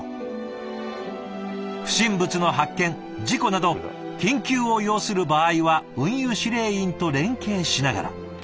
不審物の発見事故など緊急を要する場合は運輸指令員と連係しながら。